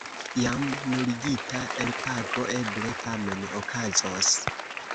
Jam nuligita elpago eble tamen okazos.